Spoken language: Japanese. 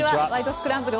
スクランブル」